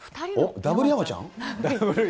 ダブル山ちゃん。